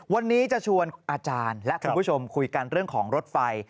วันนี้จะชวนอาจารย์และคุณผู้ชมคุยกันเรื่องของรถไฟ